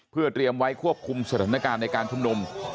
เพื่อเตรียมไว้ควบคุมสถานการณ์ในการชุมนุม